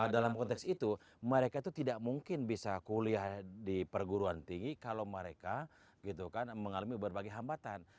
dalam konteks itu mereka itu tidak mungkin bisa kuliah di perguruan tinggi kalau mereka mengalami berbagai hambatan